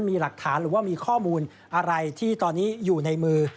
มีหลักฐานหรือว่ามีข้อมูลอะไรที่ตอนนี้อยู่ในมือ